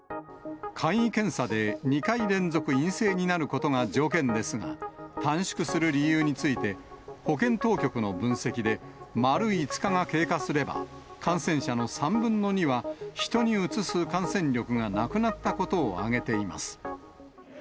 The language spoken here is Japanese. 簡易検査で２回連続陰性になることが条件ですが、短縮する理由について、保健当局の分析で、丸５日が経過すれば感染者の３分の２は、人にうつす感染力がなくなったことを挙げています。